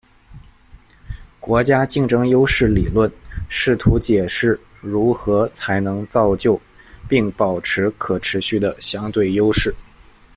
国家竞争优势理论试图解释如何才能造就并保持可持续的相对优势。